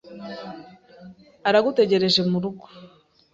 Aragutegereje murugo.